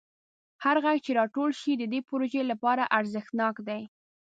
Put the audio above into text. هر غږ چې راټول شي د دې پروژې لپاره ارزښتناک دی.